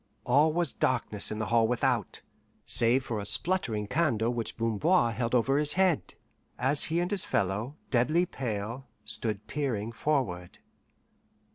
All was darkness in the hall without, save for a spluttering candle which Bamboir held over his head, as he and his fellow, deadly pale, stood peering forward.